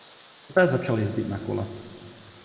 Poté začal jezdit na kole.